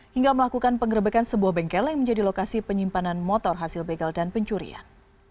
hingga melakukan pengerebekan sebuah bengkel yang menjadi lokasi penyimpanan motor hasil begal dan pencurian